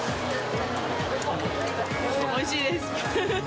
おいしいです。